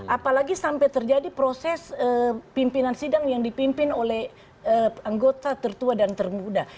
apalagi sampai terjadi proses pimpinan sidang yang dipimpin oleh anggota tertua dan termuda